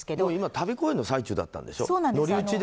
旅公演の最中だったんでしょ。